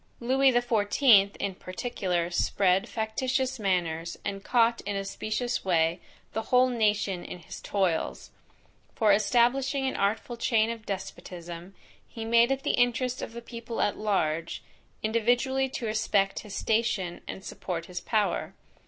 Lewis the XIVth, in particular, spread factitious manners, and caught in a specious way, the whole nation in his toils; for establishing an artful chain of despotism, he made it the interest of the people at large, individually to respect his station, and support his power.